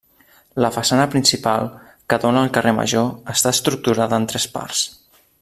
La façana principal, que dóna al carrer major, està estructurada en tres parts.